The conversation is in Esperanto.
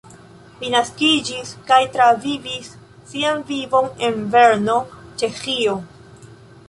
Li naskiĝis kaj travivis sian vivon en Brno, Ĉeĥio.